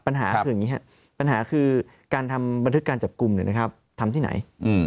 ปัญหาคืออย่างนี้ครับปัญหาคือการทำบันทึกการจับกลุ่มทำที่ไหน